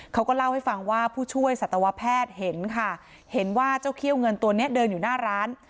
เขาก็เล่าให้ฟังว่าผู้ช่วยสัตวแพทย์เห็นค่ะเห็นว่าเจ้าเขี้ยวเงินตัวนี้เดินอยู่หน้าร้าน